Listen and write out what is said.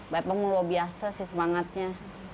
bapak luar biasa sih semangatnya